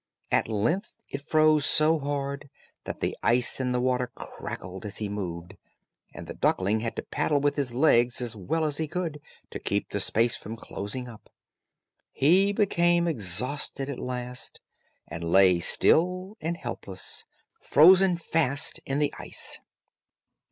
At length it froze so hard that the ice in the water crackled as he moved, and the duckling had to paddle with his legs as well as he could, to keep the space from closing up. He became exhausted at last, and lay still and helpless, frozen fast in the ice.